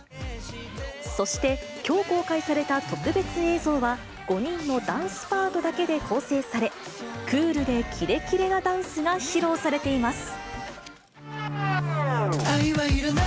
そして、きょう公開された特別映像は、５人のダンスパートだけで構成され、クールでキレキレなダンスが披露されています。